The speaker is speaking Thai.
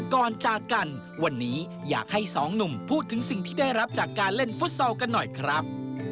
ก่อนจากกันวันนี้อยากให้สองหนุ่มพูดถึงสิ่งที่ได้รับจากการเล่นฟุตซอลกันหน่อยครับ